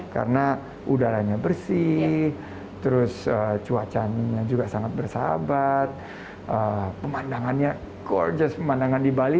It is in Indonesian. karena udaranya bersih terus cuacanya juga sangat bersahabat pemandangannya gorgeous pemandangan di bali